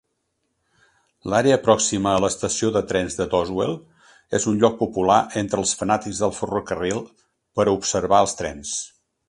L'àrea pròxima a l'estació de trens de Doswell és un lloc popular entre els fanàtics del ferrocarril per a observar els trens.